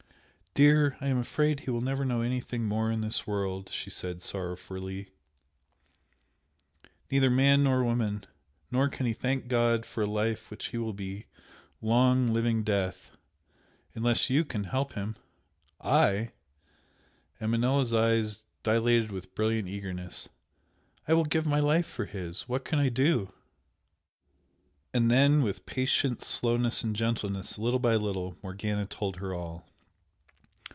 "Dear, I am afraid he will never know anything more in this world" she said, sorrowfully "Neither man nor woman! Nor can he thank God for a life which will be long, living death! Unless YOU can help him!" "I?" and Manella's eyes dilated with brilliant eagerness; "I will give my life for his! What can I do?" And then, with patient slowness and gentleness, little by little, Morgana told her all.